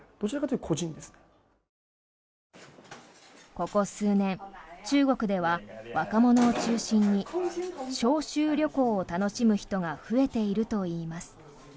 ここ数年、中国では若者を中心に小衆旅行を楽しむ人が増えているといいます。